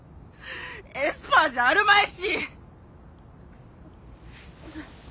エスパーじゃあるまいし！